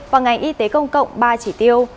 và ngành y tế công cộng ba chỉ tiêu